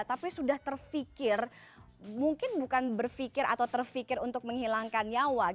tapi sudah terfikir mungkin bukan berpikir atau terfikir untuk menghilangkan nyawa